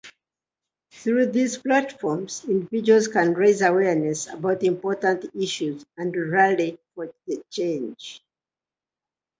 Through these platforms, individuals can raise awareness about important issues and rally for change.